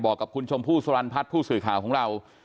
กับคุณชมพู่สรรพัฒน์ผู้สื่อข่าวของเรา